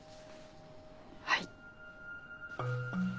はい。